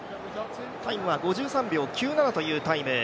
タイムは５３秒９７というタイム。